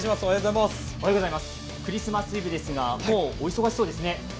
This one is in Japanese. クリスマスイブですが、お忙しいそうですね。